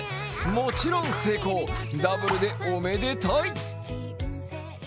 もちろん成功、ダブルでおめでたい。